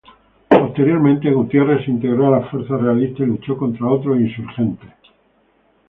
Posteriormente Gutierrez se integró a las fuerzas realistas y luchó contra otros insurgentes.